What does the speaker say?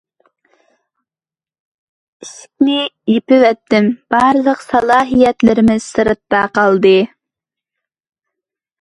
ئىشىكنى يېپىۋەتتىم، بارلىق سالاھىيەتلىرىمىز سىرتتا قالدى.